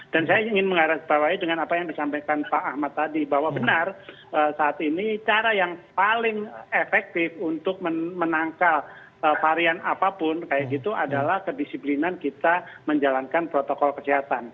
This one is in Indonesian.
dan saya ingin mengarahkan bahwa dengan apa yang disampaikan pak ahmad tadi bahwa benar saat ini cara yang paling efektif untuk menangkal varian apapun kayak gitu adalah kedisiplinan kita menjalankan protokol kesehatan